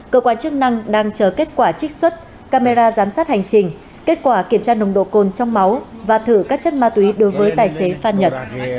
cơ quan chức năng đang chờ kết quả trích xuất camera giám sát hành trình kết quả kiểm tra nồng độ cồn trong máu và thử các chất ma túy đối với tài xế phan nhật